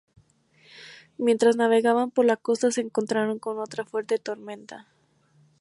Mientras navegaban por la costa, se encontraron con otra fuerte tormenta.